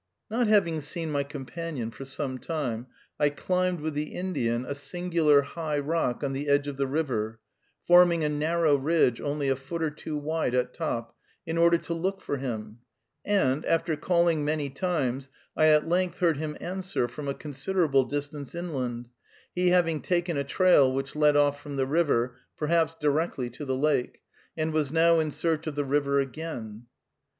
Not having seen my companion for some time, I climbed, with the Indian, a singular high rock on the edge of the river, forming a narrow ridge only a foot or two wide at top, in order to look for him; and, after calling many times, I at length heard him answer from a considerable distance inland, he having taken a trail which led off from the river, perhaps directly to the lake, and was now in search of the river again.